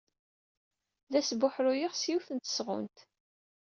La sbuḥruyeɣ s yiwet n tesɣunt.